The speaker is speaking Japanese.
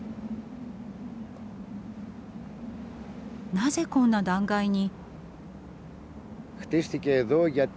なぜこんな断崖に？